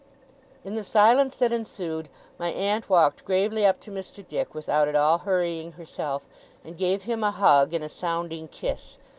In the silence that ensued, my aunt walked gravely up to Mr. Dick, without at all hurrying herself, and gave him a hug and a sounding kiss.